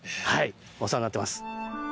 お世話になっています。